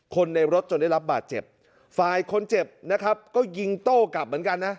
คนในรถจนได้รับบาดเจ็บฝ่ายคนเจ็บนะครับก็ยิงโต้กลับเหมือนกันนะ